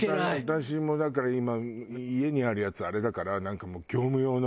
私もだから今家にあるやつあれだからなんかもう業務用の。